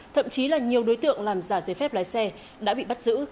thậm chí là nhiều đối tượng làm giả giấy phép lái xe đã bị bắt giữ